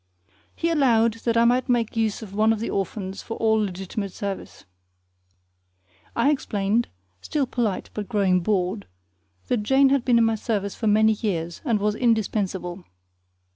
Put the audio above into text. He allowed that I might make use of one of the orphans for all legitimate service. I explained still polite, but growing bored that Jane had been in my service for many years, and was indispensable.